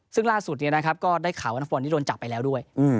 ซึ่งล่าสุดเนี่ยนะครับก็ได้ข่าวว่านักฟุตบอลที่โดนจับไปแล้วด้วย